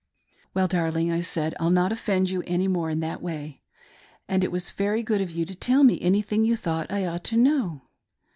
"" Well darling," I said, " I'll not offend you any more in that way — and it was very good of you to tell me anything you thought I ought to know."